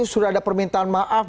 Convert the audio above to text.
sudah ada permintaan maaf